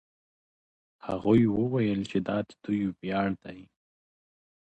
هغوی وویل چې دا د دوی ویاړ دی.